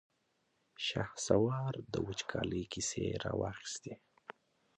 شهسوار د وچکالۍ کيسې را واخيستې.